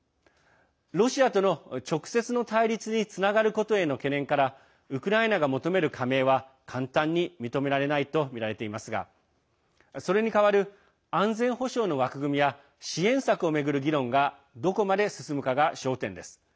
ロシアとの直接の対立につながることへの懸念からウクライナが求める加盟は簡単に認められないとみられていますがそれに代わる安全保障の枠組みや支援策を巡る議論がどこまで進むかが焦点です。